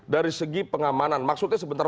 dari segi pengamanan maksudnya sebentar